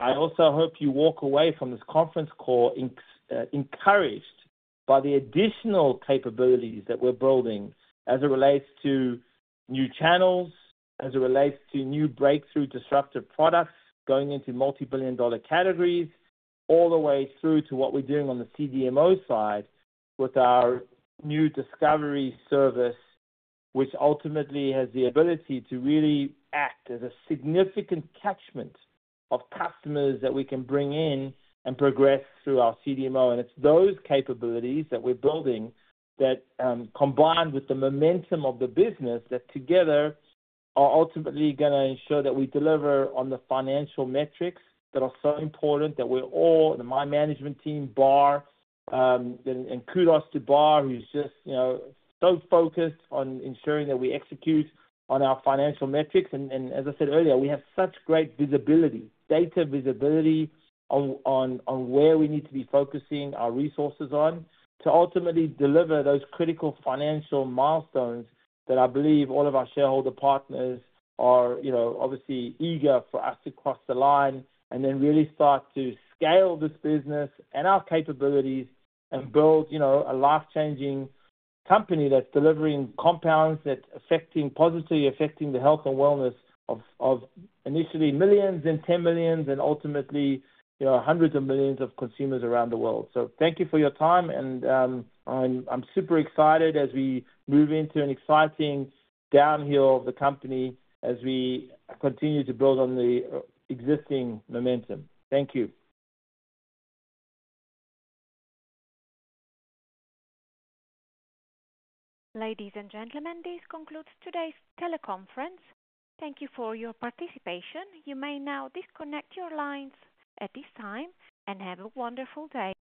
I also hope you walk away from this conference call encouraged by the additional capabilities that we're building as it relates to new channels, as it relates to new breakthrough disruptive products going into multi-billion dollar categories. The way through to what we're doing on the CDMO side with our new discovery service, which ultimately has the ability to really act as a significant catchment of customers that we can bring in and progress through our CDMO. It's those capabilities that we're building that, combined with the momentum of the business, together are ultimately going to ensure that we deliver on the financial metrics that are so important. We're all, my management team, Bar, and kudos to Bar, who's just so focused on ensuring that we execute on our financial metrics. As I said earlier, we have such great visibility, data visibility on where we need to be focusing our resources to ultimately deliver those critical financial milestones that I believe all of our shareholder partners are obviously eager for us to cross the line and then really start to scale this business and our capabilities and build a life-changing company that's delivering compounds that's positively affecting the health and wellness of initially millions and tens of millions and ultimately hundreds of millions of consumers around the world. Thank you for your time. I'm super excited as we move into an exciting downhill of the company as we continue to build on the existing momentum. Thank you. Ladies and gentlemen, this concludes today's teleconference. Thank you for your participation. You may now disconnect your lines at this time and have a wonderful day.